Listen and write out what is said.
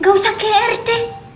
gak usah gr deh